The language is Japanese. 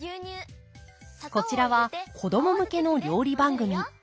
こちらは子供向けの料理番組。